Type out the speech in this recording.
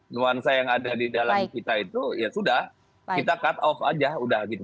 nuansa yang ada di dalam kita itu ya sudah kita cut off aja udah gitu